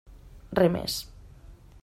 Re més.